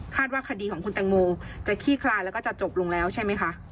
ว่าคดีของคุณแตงโมจะขี้คลายแล้วก็จะจบลงแล้วใช่ไหมคะ